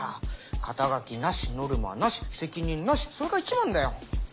肩書きなしノルマなし責任なしそれがいちばんだよ。